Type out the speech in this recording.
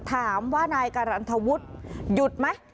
ถามว่านายการันทวุฒิหยุดไหม